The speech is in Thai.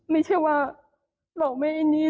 ไม่ใช่ว่าเราไม่อินีท